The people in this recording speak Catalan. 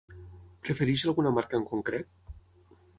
Prefereix alguna marca en concret?